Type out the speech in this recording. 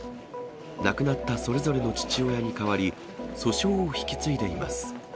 亡くなったそれぞれの父親に代わり、訴訟を引き継いでいます。